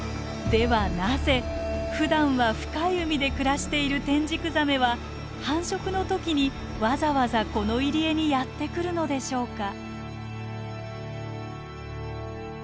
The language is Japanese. ではなぜふだんは深い海で暮らしているテンジクザメは繁殖の時にわざわざこの入り江にやってくるのでしょうか？